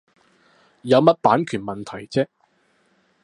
有乜版權問題啫